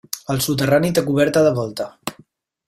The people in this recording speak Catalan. El soterrani té coberta de volta.